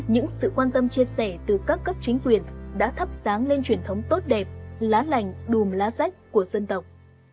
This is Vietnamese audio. những sự quan tâm chia sẻ từ các cấp chính quyền đã thắp sáng lên truyền thống tốt đẹp lá lành đùm lá rách của dân tộc